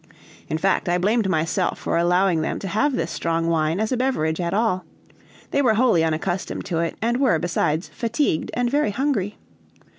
In fact, I blamed myself for allowing them to have this strong wine as a beverage at all. They were wholly unaccustomed to it, and were, besides, fatigued and very hungry.